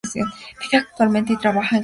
Vive actualmente y trabaja en Colonia.